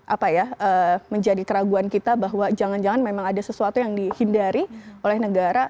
apa ya menjadi keraguan kita bahwa jangan jangan memang ada sesuatu yang dihindari oleh negara